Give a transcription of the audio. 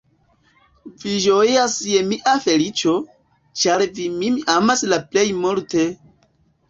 Vi ĝojos je mia feliĉo, ĉar vi min amas la plej multe!